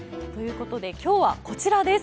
今日はこちらです。